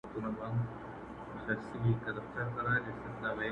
او برابر ډول نه پلی کېږي